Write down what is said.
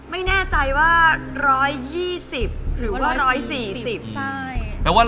ไม่แน่ใจว่า๑๒๐รู้ว่า๑๔๐